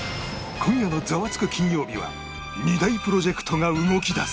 今夜の『ザワつく！金曜日』は２大プロジェクトが動き出す